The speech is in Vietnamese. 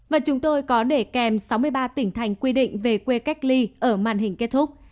và chúng tôi có để kèm sáu mươi ba tỉnh thành quy định về quê cách ly ở màn hình kết thúc